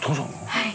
はい。